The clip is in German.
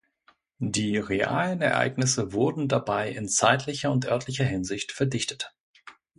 Die realen Ereignisse wurden dabei in zeitlicher und örtlicher Hinsicht verdichtet.